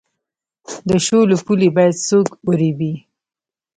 د شولو پولې باید څوک وریبي؟